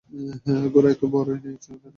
ঘোড়ায় তো বরই নেই, নাচছো কেন?